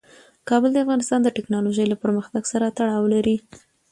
کابل د افغانستان د تکنالوژۍ له پرمختګ سره تړاو لري.